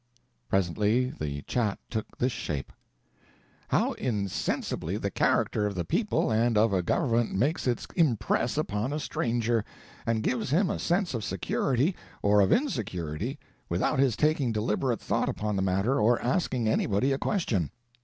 Presently the chat took this shape: "How insensibly the character of the people and of a government makes its impress upon a stranger, and gives him a sense of security or of insecurity without his taking deliberate thought upon the matter or asking anybody a question!